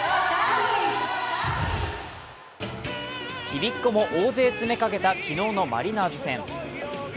ちびっこも大勢詰めかけた昨日のマリナーズ戦。